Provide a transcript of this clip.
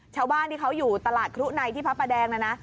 ชาวบ้านที่เขาอยู่ตลาดครุในที่พระประแดงนะนะ